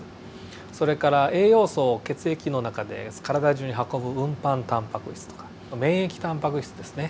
それから栄養素を血液の中で体中に運ぶ運搬タンパク質とかあと免疫タンパク質ですね。